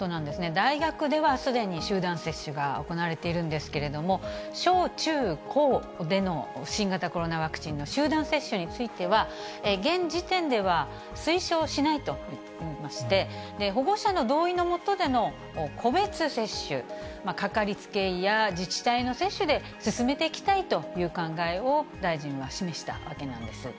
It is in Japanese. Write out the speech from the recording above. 大学ではすでに集団接種が行われているんですけれども、小中高での新型コロナワクチンの集団接種については、現時点では推奨しないといいまして、保護者の同意の下での個別接種、掛かりつけ医や自治体の接種で進めていきたいという考えを大臣は示したわけなんです。